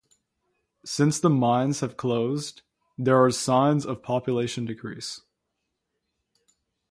Since the mines have closed, there are signs of population decrease.